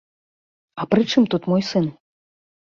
А пры чым тут мой сын?